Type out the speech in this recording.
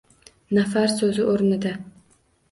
Nafar soʻzi oʻrnida